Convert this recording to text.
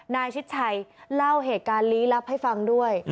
ชิดชัยเล่าเหตุการณ์ลี้ลับให้ฟังด้วย